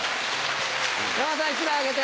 山田さん１枚あげて。